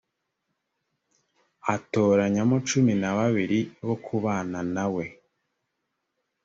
atoranyamo cumi na babiri bo kubana na we